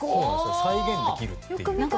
再現できるっていう。